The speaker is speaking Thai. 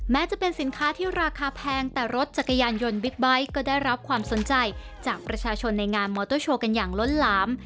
แม้จะเป็นสินค้าที่ราคาแพงแต่รถจักรยานยนต์บิ๊กไบท์ก็ได้รับความสนใจจากประชาชนในงานมอเตอร์โชว์กันอย่างล้นหลาม